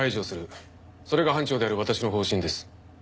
それが班長である私の方針です。